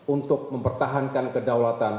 untuk mempertahankan kedaulatan